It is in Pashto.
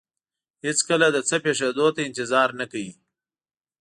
هېڅکله د څه پېښېدو ته انتظار نه کوي.